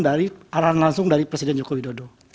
dari arahan langsung dari presiden joko widodo